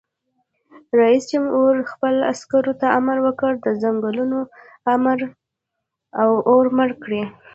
رئیس جمهور خپلو عسکرو ته امر وکړ؛ د ځنګلونو اور مړ کړئ!